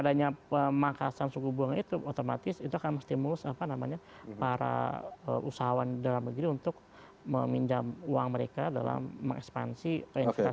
adanya pemakasan suku buang itu otomatis itu akan memstimulus para usahawan dalam negeri untuk meminjam uang mereka dalam mengekspansi kualifikasi mereka